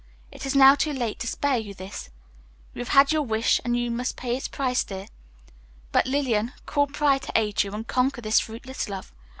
It is now too late to spare you this; you have had your wish and must pay its price, dear. But, Lillian, call pride to aid you, and conquer this fruitless love.